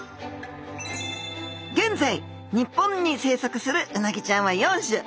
現在日本に生息するうなぎちゃんは４種。